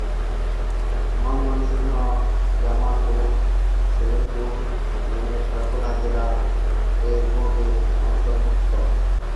ময়মনসিংহ, জামালপুর, শেরপুর ও নেত্রকোণা জেলা এ-বোর্ডের অন্তর্ভুক্ত।